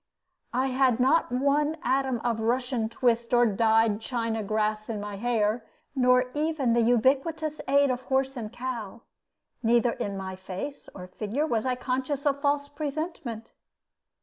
I had not one atom of Russian twist or dyed China grass in my hair, nor even the ubiquitous aid of horse and cow; neither in my face or figure was I conscious of false presentment.